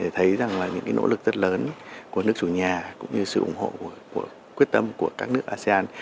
thấy rằng là những nỗ lực rất lớn của nước chủ nhà cũng như sự ủng hộ của quyết tâm của các nước asean